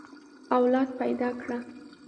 اولاد پيدا کړه.